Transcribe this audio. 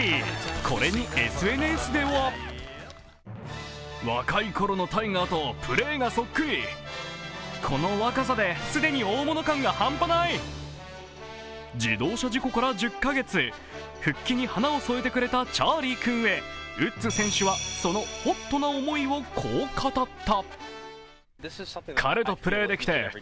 これにＳＮＳでは自動車事故から１０カ月復帰に花を添えてくれたチャーリー君へウッズ選手は、そのＨＯＴな思いをこう語った。